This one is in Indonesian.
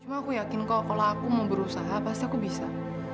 cuma aku yakin kalau aku mau berusaha pasti aku bisa